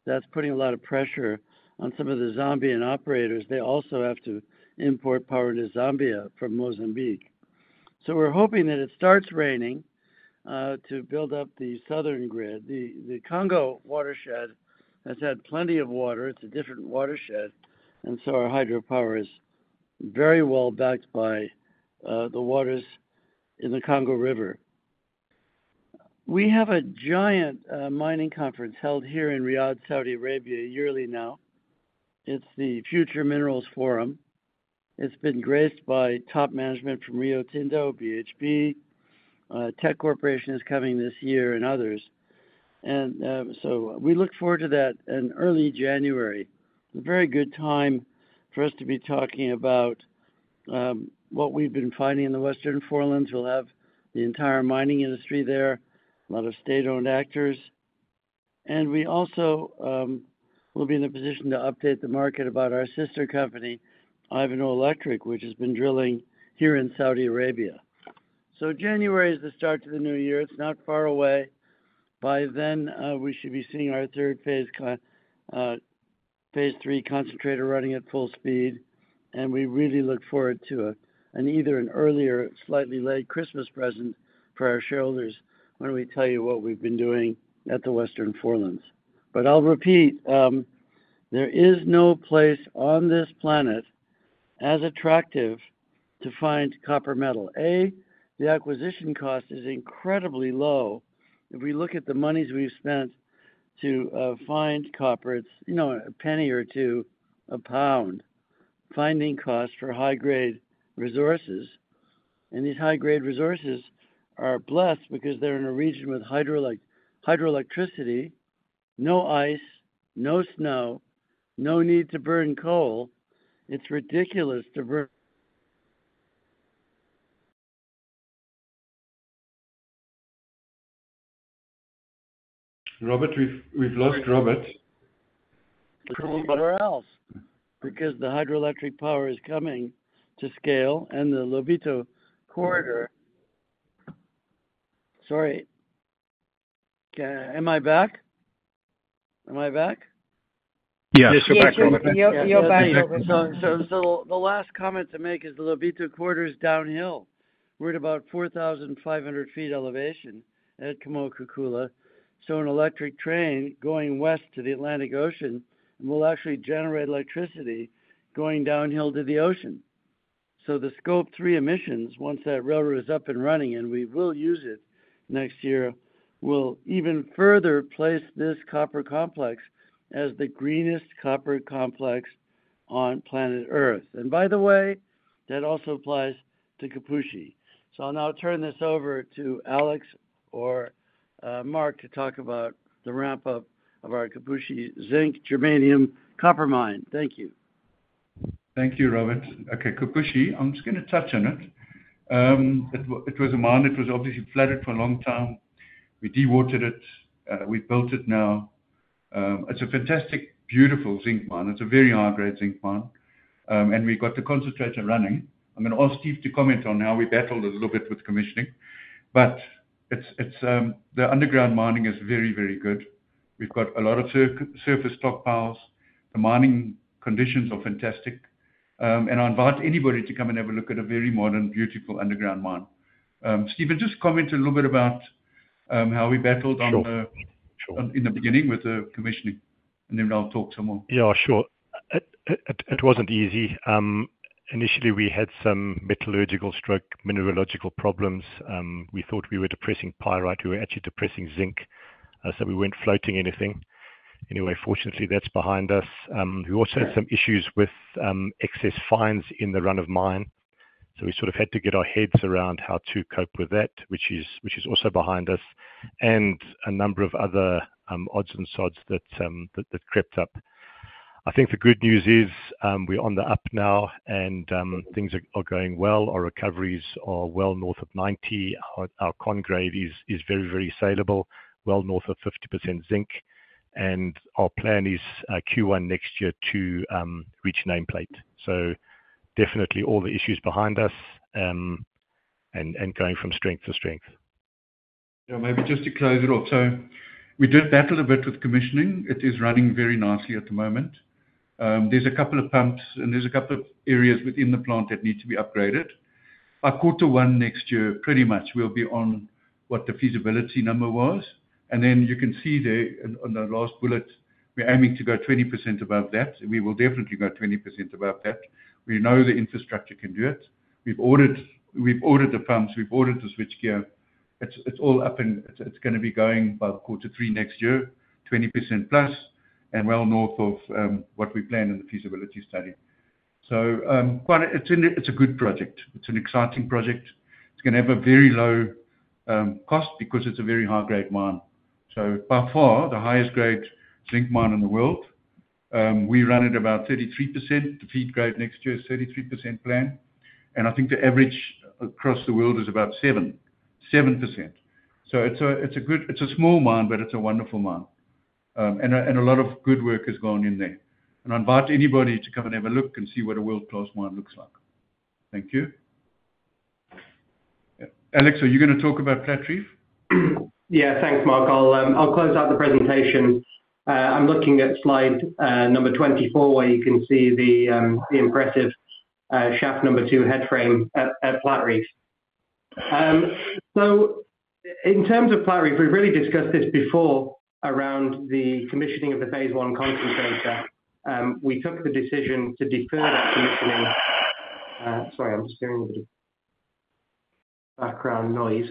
That's putting a lot of pressure on some of the Zambian operators. They also have to import power to Zambia from Mozambique. So we're hoping that it starts raining to build up the southern grid. The Congo watershed has had plenty of water. It's a different watershed. And so our hydropower is very well backed by the waters in the Congo River. We have a giant mining conference held here in Riyadh, Saudi Arabia, yearly now. It's the Future Minerals Forum. It's been graced by top management from Rio Tinto, BHP. Teck Corporation is coming this year and others, and so we look forward to that in early January. It's a very good time for us to be talking about what we've been finding in the Western Foreland. We'll have the entire mining industry there, a lot of state-owned actors, and we also will be in a position to update the market about our sister company, Ivanhoe Electric, which has been drilling here in Saudi Arabia, so January is the start of the new year. It's not far away. By then, we should be seeing our third phase three concentrator running at full speed. And we really look forward to either an earlier, slightly late Christmas present for our shareholders when we tell you what we've been doing at the Western Foreland. But I'll repeat, there is no place on this planet as attractive to find copper metal. A, the acquisition cost is incredibly low. If we look at the monies we've spent to find copper, it's a penny or two, a pound, finding costs for high-grade resources. And these high-grade resources are blessed because they're in a region with hydroelectricity, no ice, no snow, no need to burn coal. It's ridiculous to burn. Robert, we've lost Robert. Where else? Because the hydroelectric power is coming to scale and the Lobito Corridor. Sorry. Am I back? Am I back? Yes, you're back. The last comment to make is the Lobito Corridor is downhill. We're at about 4,500 feet elevation at Kamoa-Kakula. An electric train going west to the Atlantic Ocean will actually generate electricity going downhill to the ocean. The Scope 3 Emissions, once that railroad is up and running and we will use it next year, will even further place this copper complex as the greenest copper complex on planet Earth. By the way, that also applies to Kipushi. I'll now turn this over to Alex or Mark to talk about the ramp-up of our Kipushi Zinc Germanium Copper Mine. Thank you. Thank you, Robert. Okay, Kipushi, I'm just going to touch on it. It was a mine that was obviously flooded for a long time. We dewatered it. We built it now. It's a fantastic, beautiful zinc mine. It's a very high-grade zinc mine. And we've got the concentrator running. I'm going to ask Steve to comment on how we battled a little bit with commissioning. But the underground mining is very, very good. We've got a lot of surface stockpiles. The mining conditions are fantastic. And I invite anybody to come and have a look at a very modern, beautiful underground mine. Steve, just comment a little bit about how we battled in the beginning with the commissioning. And then I'll talk some more. Yeah, sure. It wasn't easy. Initially, we had some metallurgical and mineralogical problems. We thought we were depressing pyrite. We were actually depressing zinc. So we weren't floating anything. Anyway, fortunately, that's behind us. We also had some issues with excess fines in the run-of-mine. So we sort of had to get our heads around how to cope with that, which is also behind us, and a number of other odds and sods that crept up. I think the good news is we're on the up now and things are going well. Our recoveries are well north of 90%. Our concentrate is very, very saleable, well north of 50% zinc, and our plan is Q1 next year to reach nameplate, so definitely all the issues behind us and going from strength to strength. Maybe just to close it off. So we did battle a bit with commissioning. It is running very nicely at the moment. There's a couple of pumps and there's a couple of areas within the plant that need to be upgraded. By quarter one next year, pretty much we'll be on what the feasibility number was. And then you can see there on the last bullet, we're aiming to go 20% above that. We will definitely go 20% above that. We know the infrastructure can do it. We've ordered the pumps. We've ordered the switchgear. It's all up and it's going to be going by quarter three next year, 20% plus and well north of what we planned in the feasibility study. So it's a good project. It's an exciting project. It's going to have a very low cost because it's a very high-grade mine. So by far, the highest-grade zinc mine in the world. We run at about 33%. The feed grade next year is 33% plan. And I think the average across the world is about 7%. So it's a small mine, but it's a wonderful mine. And a lot of good work has gone in there. And I invite anybody to come and have a look and see what a world-class mine looks like. Thank you. Alex, are you going to talk about Platreef? Yeah, thanks, Mark. I'll close out the presentation. I'm looking at slide number 24 where you can see the impressive shaft number two headframe at Platreef, so in terms of Platreef, we've really discussed this before around the commissioning of the phase I concentrator. We took the decision to defer that commissioning. Sorry, I'm just hearing a bit of background noise.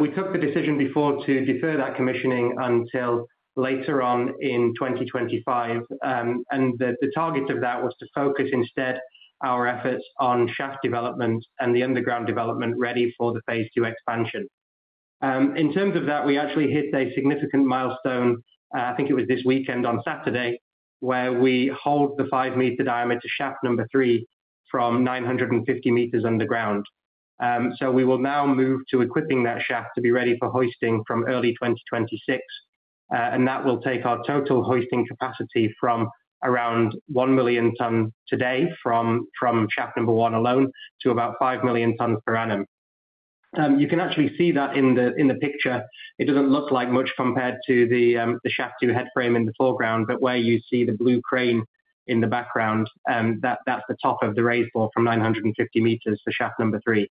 We took the decision before to defer that commissioning until later on in 2025, and the target of that was to focus instead our efforts on shaft development and the underground development ready for the phase two expansion. In terms of that, we actually hit a significant milestone. I think it was this weekend on Saturday where we holed the five-meter diameter shaft number three from 950 m underground, so we will now move to equipping that shaft to be ready for hoisting from early 2026. That will take our total hoisting capacity from around one million tonnes today from shaft number one alone to about five million tonnes per annum. You can actually see that in the picture. It doesn't look like much compared to the shaft two head frame in the foreground, but where you see the blue crane in the background, that's the top of the raised bore from 950 meters for shaft number three.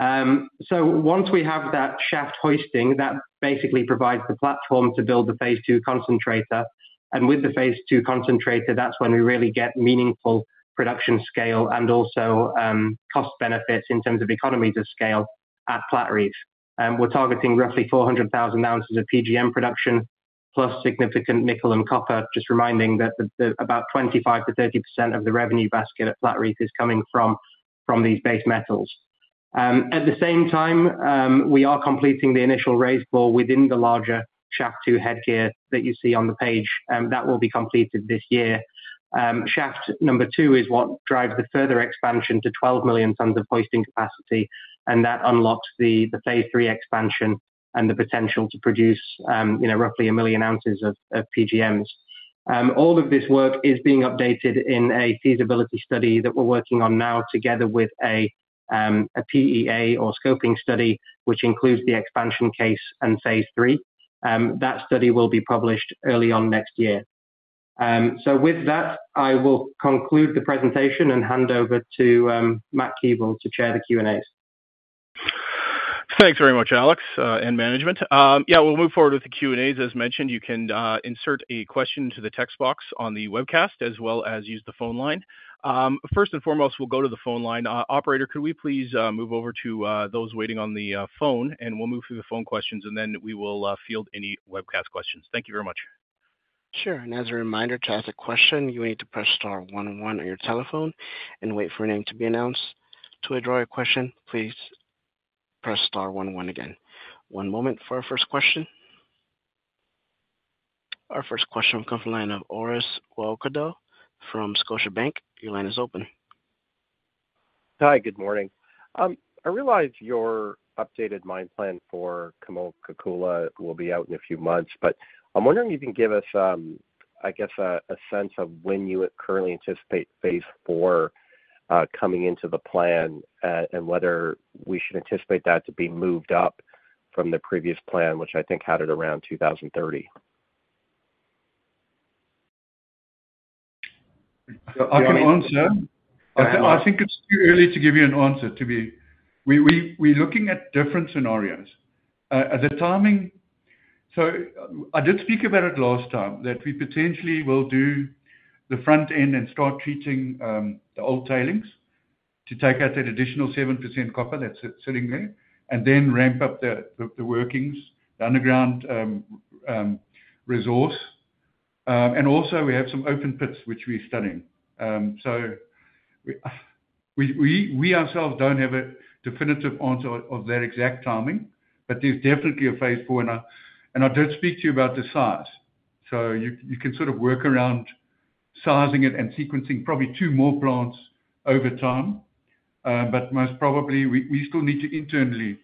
So once we have that shaft hoisting, that basically provides the platform to build the phase two concentrator. And with the phase two concentrator, that's when we really get meaningful production scale and also cost benefits in terms of economies of scale at Platreef. We're targeting roughly 400,000 ounces of PGM production plus significant nickel and copper. Just reminding that about 25%-30% of the revenue basket at Platreef is coming from these base metals. At the same time, we are completing the initial raised bore within the larger shaft two head gear that you see on the page. That will be completed this year. Shaft number two is what drives the further expansion to 12 million tonnes of hoisting capacity, and that unlocks the phase three expansion and the potential to produce roughly a million ounces of PGMs. All of this work is being updated in a feasibility study that we're working on now together with a PEA or scoping study, which includes the expansion case and phase three. That study will be published early on next year, so with that, I will conclude the presentation and hand over to Matt Keevil to chair the Q&As. Thanks very much, Alex, and management. Yeah, we'll move forward with the Q&As. As mentioned, you can insert a question into the text box on the webcast as well as use the phone line. First and foremost, we'll go to the phone line. Operator, could we please move over to those waiting on the phone, and we'll move through the phone questions, and then we will field any webcast questions. Thank you very much. Sure. And as a reminder, to ask a question, you will need to press star 11 on your telephone and wait for a name to be announced. To withdraw your question, please press star 11 again. One moment for our first question. Our first question will come from the line of Orest Wowkodaw from Scotiabank. Your line is open. Hi, good morning. I realize your updated mine plan for Kamoa-Kakula will be out in a few months, but I'm wondering if you can give us, I guess, a sense of when you currently anticipate phase four coming into the plan and whether we should anticipate that to be moved up from the previous plan, which I think had it around 2030? Can I answer? I think it's too early to give you an answer to be. We're looking at different scenarios. So I did speak about it last time that we potentially will do the front end and start treating the old tailings to take out that additional 7% copper that's sitting there and then ramp up the workings, the underground resource. And also, we have some open pits, which we're studying. So we ourselves don't have a definitive answer of that exact timing, but there's definitely a phase four. And I did speak to you about the size. So you can sort of work around sizing it and sequencing probably two more plants over time. But most probably, we still need to internally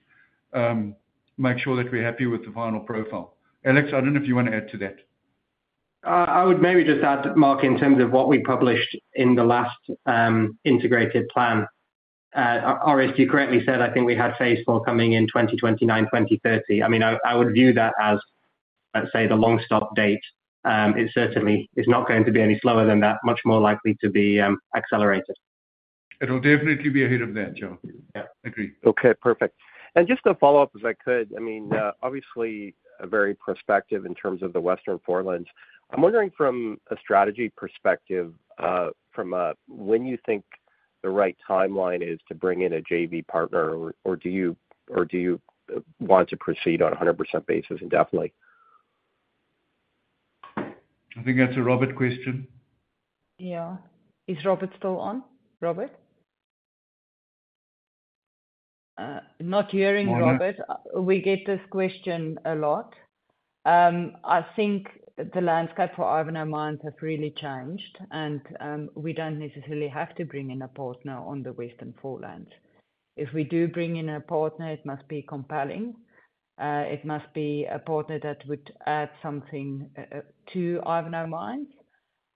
make sure that we're happy with the final profile. Alex, I don't know if you want to add to that. I would maybe just add, Mark, in terms of what we published in the last integrated plan. Orest, you correctly said, I think we had phase four coming in 2029, 2030. I mean, I would view that as, let's say, the long stop date. It certainly is not going to be any slower than that, much more likely to be accelerated. It'll definitely be ahead of that, Joe. Yeah. Agreed. Okay, perfect. And just to follow up as I could, I mean, obviously a very prospective in terms of the Western Forelands. I'm wondering from a strategy perspective, when you think the right timeline is to bring in a JV partner, or do you want to proceed on a 100% basis indefinitely? I think that's a Robert question. Yeah. Is Robert still on? Robert? Not hearing Robert. We get this question a lot. I think the landscape for Ivanhoe Mines has really changed, and we don't necessarily have to bring in a partner on the Western Foreland. If we do bring in a partner, it must be compelling. It must be a partner that would add something to Ivanhoe Mines.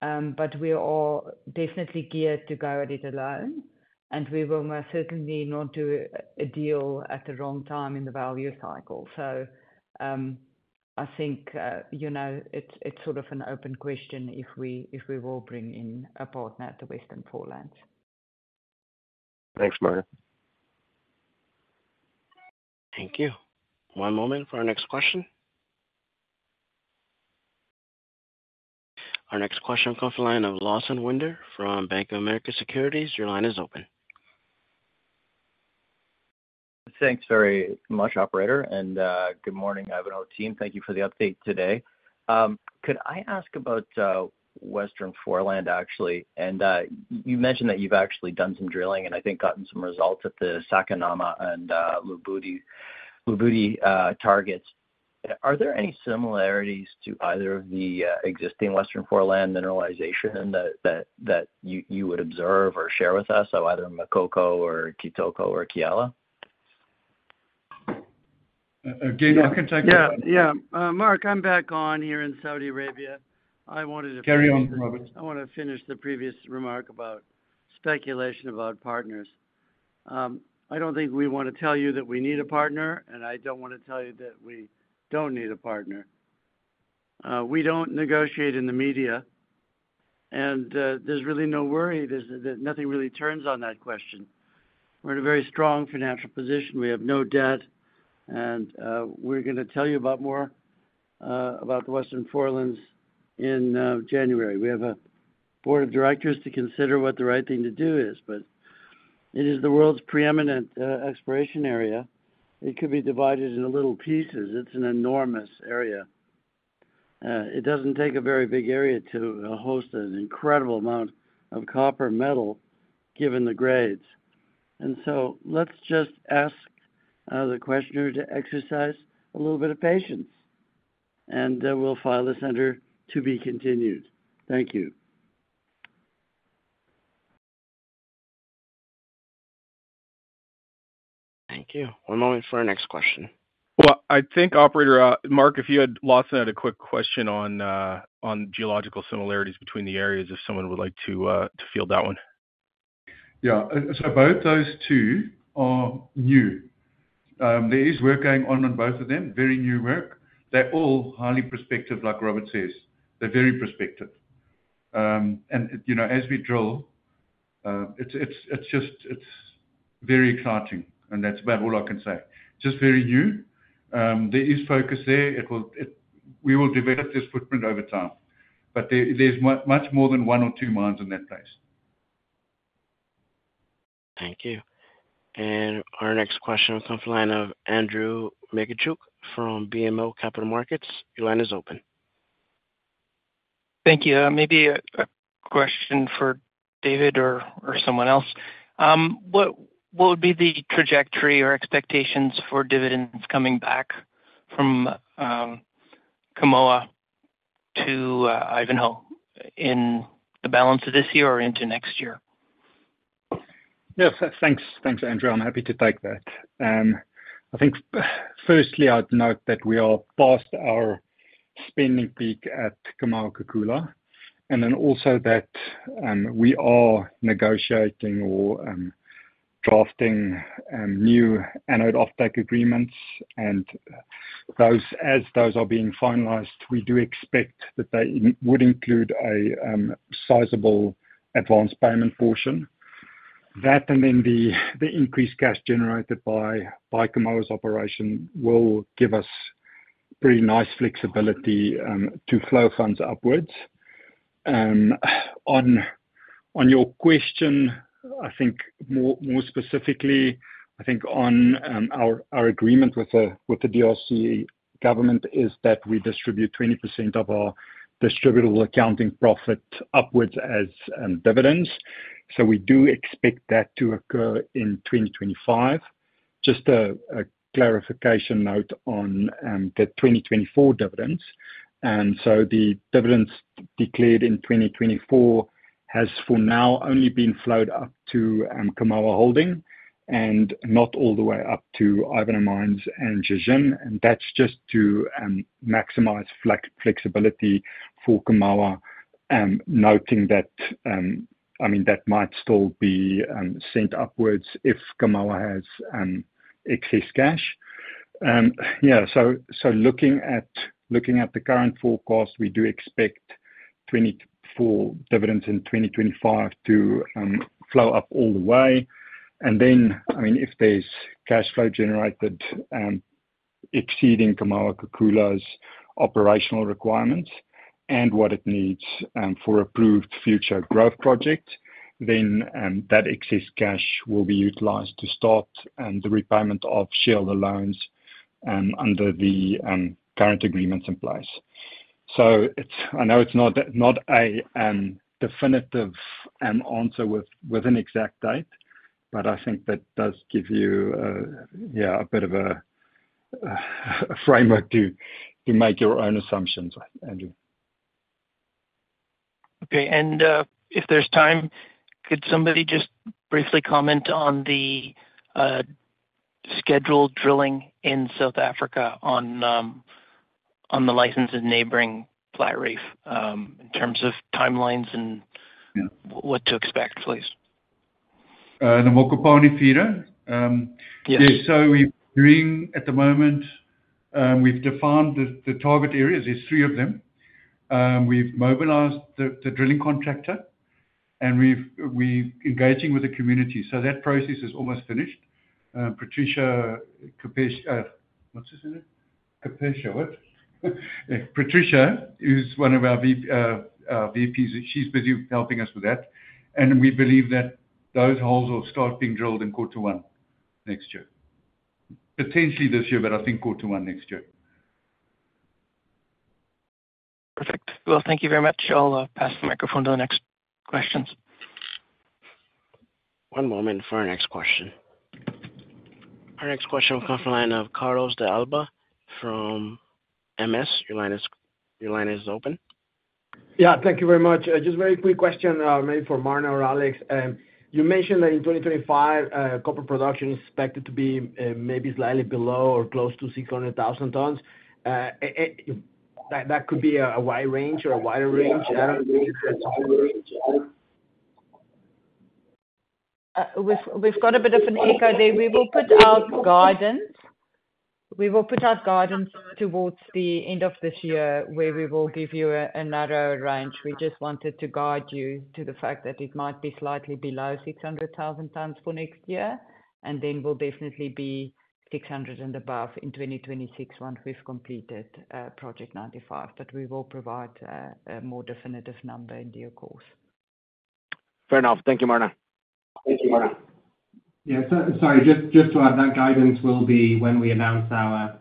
But we are definitely geared to go at it alone, and we will most certainly not do a deal at the wrong time in the value cycle. So I think it's sort of an open question if we will bring in a partner at the Western Foreland. Thanks, Martin. Thank you. One moment for our next question. Our next question comes from the line of Lawson Winder from Bank of America Securities. Your line is open. Thanks very much, Operator. And good morning, Ivanhoe team. Thank you for the update today. Could I ask about Western Foreland, actually? And you mentioned that you've actually done some drilling and I think gotten some results at the Sakinama and Lubudi targets. Are there any similarities to either of the existing Western Foreland mineralization that you would observe or share with us of either Makoko or Kitoko or Kiala? Again, I can take that. Yeah, yeah. Mark, I'm back on here in Saudi Arabia. I wanted to. Carry on, Robert. I want to finish the previous remark about speculation about partners. I don't think we want to tell you that we need a partner, and I don't want to tell you that we don't need a partner. We don't negotiate in the media, and there's really no worry. Nothing really turns on that question. We're in a very strong financial position. We have no debt, and we're going to tell you more about the Western Forelands in January. We have a board of directors to consider what the right thing to do is, but it is the world's preeminent exploration area. It could be divided into little pieces. It's an enormous area. It doesn't take a very big area to host an incredible amount of copper metal given the grades. Let's just ask the questioner to exercise a little bit of patience, and we'll file this under to be continued. Thank you. Thank you. One moment for our next question. I think, Operator, Mark, if you'd like to ask a quick question on geological similarities between the areas, if someone would like to field that one. Yeah. So both those two are new. There is work going on in both of them, very new work. They're all highly prospective, like Robert says. They're very prospective, and as we drill, it's just very exciting, and that's about all I can say. Just very new. There is focus there. We will develop this footprint over time, but there's much more than one or two mines in that place. Thank you. And our next question will come from the line of Andrew Mikitchook from BMO Capital Markets. Your line is open. Thank you. Maybe a question for David or someone else. What would be the trajectory or expectations for dividends coming back from Kamoa to Ivanhoe in the balance of this year or into next year? Yes. Thanks, Andrew. I'm happy to take that. I think firstly, I'd note that we are past our spending peak at Kamoa-Kakula, and then also that we are negotiating or drafting new anode offtake agreements. And as those are being finalized, we do expect that they would include a sizable advance payment portion. That and then the increased cash generated by Kamoa's operation will give us pretty nice flexibility to flow funds upwards. On your question, I think more specifically, I think on our agreement with the DRC government is that we distribute 20% of our distributable accounting profit upwards as dividends. So we do expect that to occur in 2025. Just a clarification note on the 2024 dividends, and so the dividends declared in 2024 has for now only been flowed up to Kamoa Holding and not all the way up to Ivanhoe Mines and Zijin. That's just to maximize flexibility for Kamoa, noting that, I mean, that might still be sent upwards if Kamoa has excess cash. Yeah. So looking at the current forecast, we do expect 2024 dividends in 2025 to flow up all the way. And then, I mean, if there's cash flow generated exceeding Kamoa-Kakula's operational requirements and what it needs for approved future growth projects, then that excess cash will be utilized to start the repayment of shareholder loans under the current agreements in place. So I know it's not a definitive answer with an exact date, but I think that does give you, yeah, a bit of a framework to make your own assumptions, Andrew. Okay, and if there's time, could somebody just briefly comment on the scheduled drilling in South Africa on the licensed neighboring Platreef in terms of timelines and what to expect, please? The Mokopane Feeder. So we're doing at the moment, we've defined the target areas. There's three of them. We've mobilized the drilling contractor, and we're engaging with the community. So that process is almost finished. Patricia Makhesha, Patricia is one of our VPs. She's busy helping us with that. And we believe that those holes will start being drilled in quarter one next year. Potentially this year, but I think quarter one next year. Perfect. Well, thank you very much. I'll pass the microphone to the next questions. One moment for our next question. Our next question will come from the line of Carlos De Alba from MS. Your line is open. Yeah. Thank you very much. Just a very quick question, maybe for Marna or Alex. You mentioned that in 2025, copper production is expected to be maybe slightly below or close to 600,000 tons. That could be a wide range or a wider range. I don't know. We've got a bit of an echo there. We will put out guidance. We will put out guidance towards the end of this year where we will give you a narrower range. We just wanted to guide you to the fact that it might be slightly below 600,000 tons for next year, and then we'll definitely be 600 and above in 2026 once we've completed Project 95, but we will provide a more definitive number in due course. Fair enough. Thank you, Marna. Thank you, Marna. Yeah. Sorry. Just to add, that guidance will be when we announce our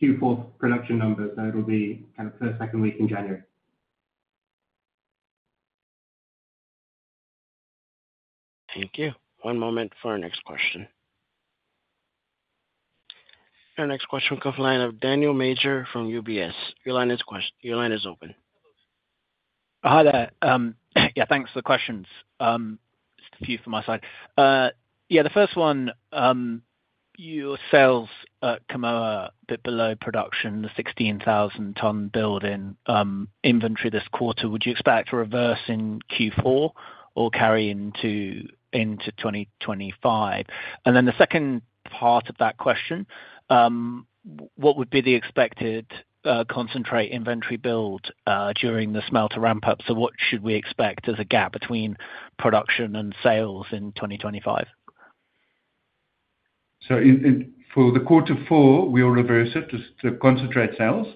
Q4 production numbers. So it'll be kind of first, second week in January. Thank you. One moment for our next question. Our next question will come from the line of Daniel Major from UBS. Your line is open. Hi. Yeah. Thanks for the questions. Just a few from my side. Yeah. The first one, your sales at Kamoa are a bit below production, the 16,000-ton inventory build this quarter. Would you expect a reverse in Q4 or carry into 2025? And then the second part of that question, what would be the expected concentrate inventory build during the smelter ramp-up? So what should we expect as a gap between production and sales in 2025? So, for the quarter four, we'll reverse it just to concentrate sales.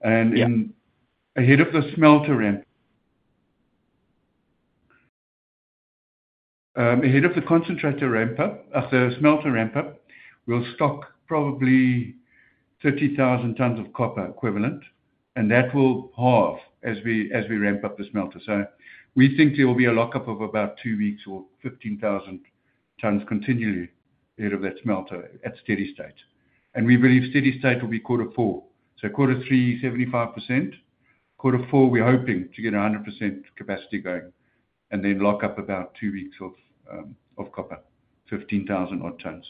And ahead of the smelter ramp-up, ahead of the concentrator ramp-up, after the smelter ramp-up, we'll stock probably 30,000 tons of copper equivalent. And that will halve as we ramp up the smelter. So we think there will be a lockup of about two weeks or 15,000 tons continually ahead of that smelter at steady state. And we believe steady state will be quarter four. So quarter three, 75%. Quarter four, we're hoping to get 100% capacity going. And then lock up about two weeks of copper, 15,000-odd tons.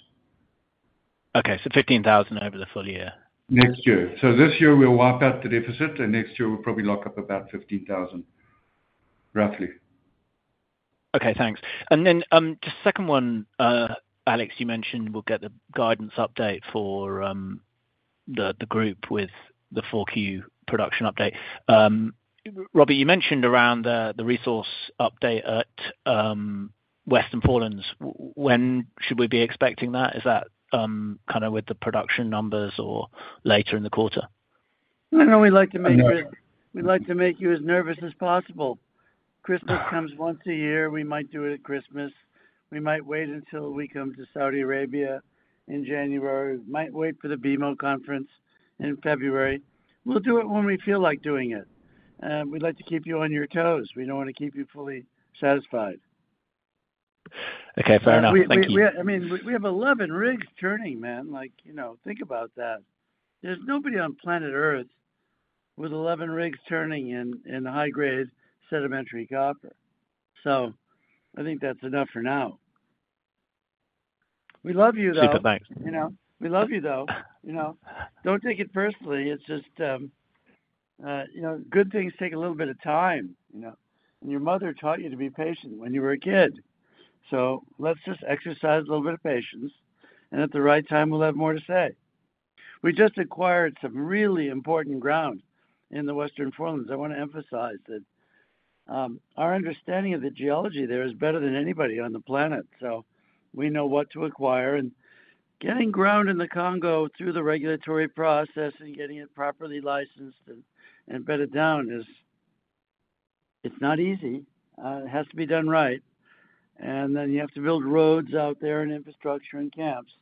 Okay. So 15,000 over the full year. Next year. So this year, we'll wipe out the deficit. And next year, we'll probably lock up about 15,000, roughly. Okay. Thanks. And then just second one, Alex, you mentioned we'll get the guidance update for the group with the 4Q production update. Robert, you mentioned around the resource update at Western Forelands. When should we be expecting that? Is that kind of with the production numbers or later in the quarter? I know we'd like to make you as nervous as possible. Christmas comes once a year. We might do it at Christmas. We might wait until we come to Saudi Arabia in January. We might wait for the BMO conference in February. We'll do it when we feel like doing it. We'd like to keep you on your toes. We don't want to keep you fully satisfied. Okay. Fair enough. Thank you. I mean, we have 11 rigs turning, man. Think about that. There's nobody on planet Earth with 11 rigs turning in high-grade sedimentary copper. So I think that's enough for now. We love you, though. Super thanks. We love you, though. Don't take it personally. It's just good things take a little bit of time. And your mother taught you to be patient when you were a kid. So let's just exercise a little bit of patience. And at the right time, we'll have more to say. We just acquired some really important ground in the Western Foreland. I want to emphasize that our understanding of the geology there is better than anybody on the planet. So we know what to acquire. And getting ground in the Congo through the regulatory process and getting it properly licensed and bedded down, it's not easy. It has to be done right. And then you have to build roads out there and infrastructure and camps.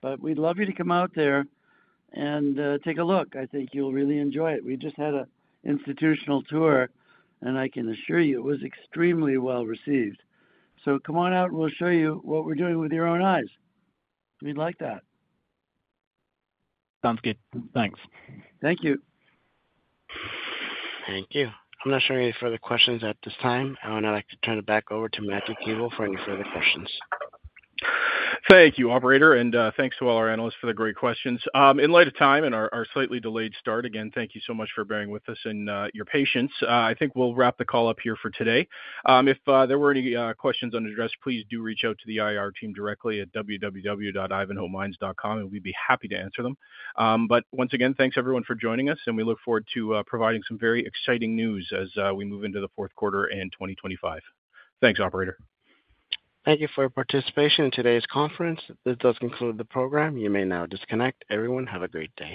But we'd love you to come out there and take a look. I think you'll really enjoy it. We just had an institutional tour, and I can assure you it was extremely well received. So come on out, and we'll show you what we're doing with your own eyes. We'd like that. Sounds good. Thanks. Thank you. Thank you. I'm not seeing any further questions at this time. I would now like to turn it back over to Matthew Keevil for any further questions. Thank you, Operator. And thanks to all our analysts for the great questions. In light of time and our slightly delayed start, again, thank you so much for bearing with us and your patience. I think we'll wrap the call up here for today. If there were any questions unaddressed, please do reach out to the IR team directly at www.ivanhoemines.com, and we'd be happy to answer them. But once again, thanks everyone for joining us, and we look forward to providing some very exciting news as we move into the fourth quarter in 2025. Thanks, Operator. Thank you for your participation in today's conference. This does conclude the program. You may now disconnect. Everyone, have a great day.